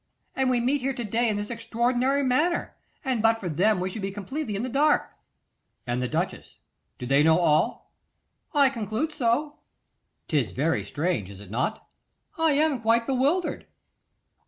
And we meet here to day in this extraordinary manner, and but for them we should be completely in the dark.' 'And the duchess; do they know all?' 'I conclude so.' ''Tis very strange, is it not?' 'I am quite bewildered.